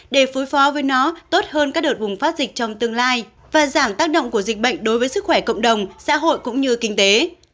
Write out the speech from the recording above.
để phối phó với nó tốt hơn các đợt bùng phát dịch trong tương lai và giảm tác động của dịch bệnh đối với sức khỏe cộng đồng xã hội cũng như kinh tế